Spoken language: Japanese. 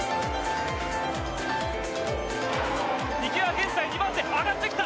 池江は現在２番手上がってきた！